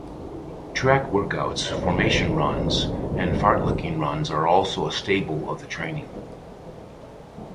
Track workouts, formation runs, and fartlek runs are also a staple of the training.